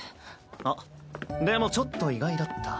あっでもちょっと意外だった。